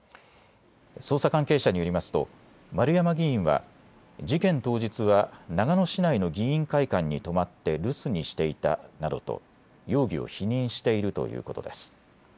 捜査関係者によりますと丸山議員は事件当日は長野市内の議員会館に泊まって留守にしていたなどと容疑を否認しているということです。